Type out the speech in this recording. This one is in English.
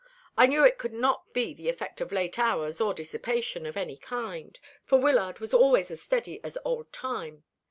I knew it could not be the effect of late hours or dissipation of any kind, for Wyllard was always as steady as old Time.